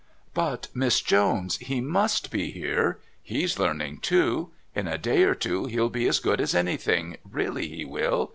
"But, Miss Jones, he must be here. He's learning too. In a day or two he'll be as good as anything, really he will.